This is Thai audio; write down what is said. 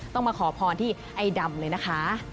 ต้องมาขอพรที่ไอ้ดำเลยนะคะ